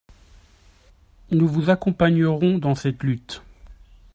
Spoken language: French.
Nous vous accompagnerons dans cette lutte.